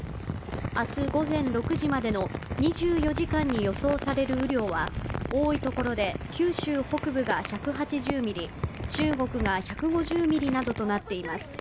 明日午前６時までの２４時間に予想される雨量は多いところで九州北部が１８０ミリ中国が１５０ミリなどとなっています